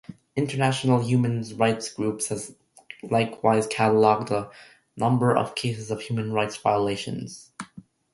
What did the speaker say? International human rights groups likewise cataloged a number of cases of human rights violations.